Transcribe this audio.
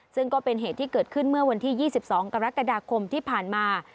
ซึ่งก็เป็นเหตุที่เกิดขึ้นเมื่อวันที่๒๒กรกฎาคมที่ผ่านมา